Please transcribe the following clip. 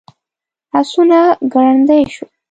آسونه ګړندي شول.